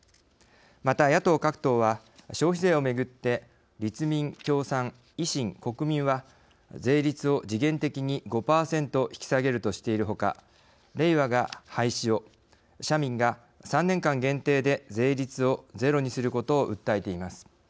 また、野党各党は消費税をめぐって立民、共産、維新、国民は税率を時限的に５％引き下げるとしているほかれいわが廃止を社民が３年間限定で税率をゼロにすることを訴えています。